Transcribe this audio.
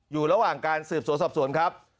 อยู่ระหว่างการสืบสวนสอบสวนครับ